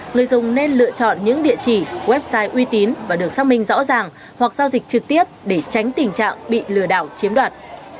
người dùng nên lựa chọn những địa chỉ website uy tín và được xác minh rõ ràng hoặc giao dịch trực tiếp để tránh tình trạng bị lừa đảo chiếm đoạt